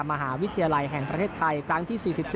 มหาวิทยาลัยแห่งประเทศไทยครั้งที่๔๔